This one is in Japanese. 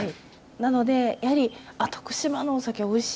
なのでやはり徳島のお酒おいしいじゃない。